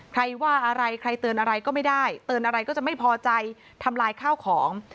ใครว่าอะไรใครเตือนอะไรก็ไม่ได้เตือนอะไรก็จะไม่พอใจทำลายข้าวของ